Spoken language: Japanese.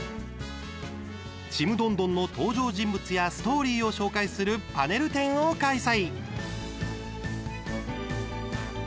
「ちむどんどん」の登場人物やストーリーを紹介するパネル展を開催。